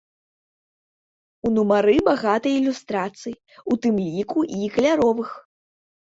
У нумары багата ілюстрацый, у тым ліку і каляровых.